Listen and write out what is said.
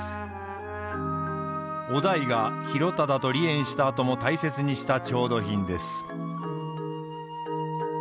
於大が広忠と離縁したあとも大切にした調度品です。